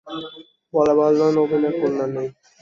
বলা বাহুল্য, নবীনের কন্যা নেই।